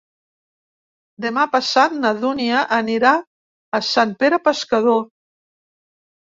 Demà passat na Dúnia anirà a Sant Pere Pescador.